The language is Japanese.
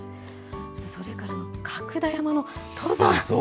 それから、角田山の登山。